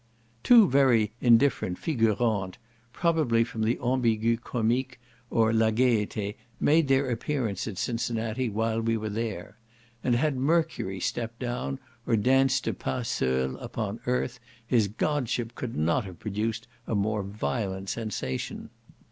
Two very indifferent figurantes, probably from the Ambigu Comique, or la Gaiete, made their appearance at Cincinnati while we were there; and had Mercury stepped down, and danced a pas seul upon earth, his godship could not have produced a more violent sensation.